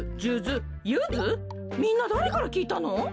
みんなだれからきいたの？